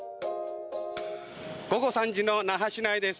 午後３時の那覇市内です。